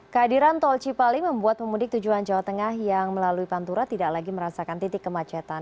kehadiran tol cipali membuat pemudik tujuan jawa tengah yang melalui pantura tidak lagi merasakan titik kemacetan